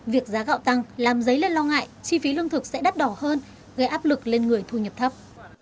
việc giá gạo tăng làm dấy lên lo ngại chi phí lương thực sẽ đắt đỏ hơn gây áp lực lên người thu nhập thấp